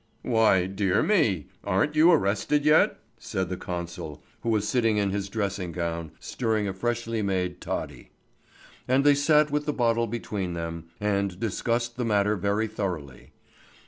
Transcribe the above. "Why, dear me! Aren't you arrested yet?" said the consul, who was sitting in his dressing gown, stirring a freshly made toddy. And they sat with the bottle between them, and discussed the matter very thoroughly.